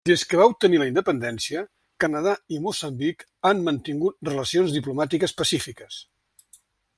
Des que va obtenir la independència, Canadà i Moçambic han mantingut relacions diplomàtiques pacífiques.